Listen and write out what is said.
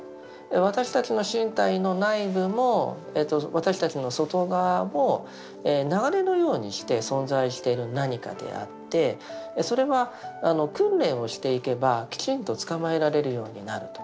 私たちの身体の内部も私たちの外側も流れのようにして存在している何かであってそれは訓練をしていけばきちんとつかまえられるようになると。